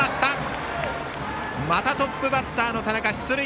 またトップバッターの田中が出塁。